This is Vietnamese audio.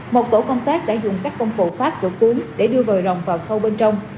một tổ công tác đã dùng các công cụ phát chỗ cuốn để đưa vòi rồng vào sâu bên trong